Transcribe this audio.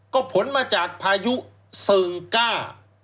ก็ผลมาจากพายุเซิงก้า